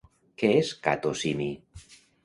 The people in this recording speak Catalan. Què és Kato Simi?